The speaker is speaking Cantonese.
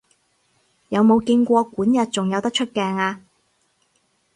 有冇見過管軼仲有得出鏡啊？